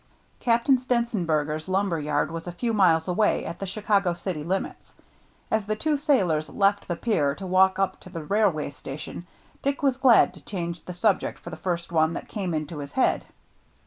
Captain Stenzenberger's lumber yard was a few miles away, at the Chicago city limits. As the two sailors left the pier to walk up to the railway station, Dick was glad to change the subject for the first one that came into his head.